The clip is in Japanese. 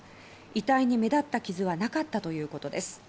遺体に目立った傷はなかったということです。